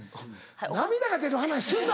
涙が出る話すんな